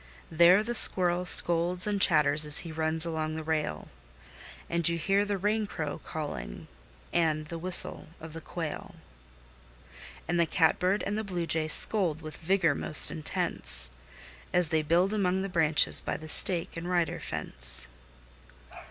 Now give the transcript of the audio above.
There the squirrel scolds and chatters as he runs along the rail, And you hear the rain crow calling, and the whistle of the quail; And the catbird, and the blue jay, scold with vigor most intense, As they build among the branches by the stake and rider fence.